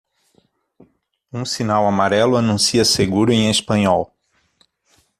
Um sinal amarelo anuncia seguro em espanhol.